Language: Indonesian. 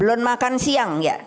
belum makan siang ya